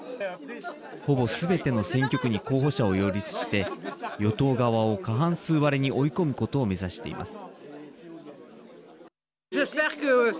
ほぼすべての選挙区に候補者を擁立して与党側を過半数割れに追い込むことを目指しています。